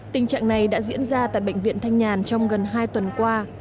tình trạng này đã diễn ra tại bệnh viện thanh nhàn trong gần hai tuần qua